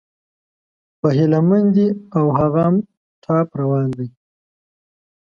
په هيله مندي، او هغه هم ټاپ روان دى